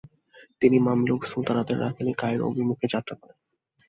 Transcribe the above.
তিনি মামলুক সালতানাতের রাজধানী কায়রো অভিমুখে যাত্রা করেন।